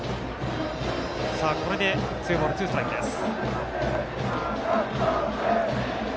これで、ツーボールツーストライクです。